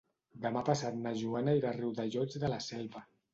Demà passat na Joana irà a Riudellots de la Selva.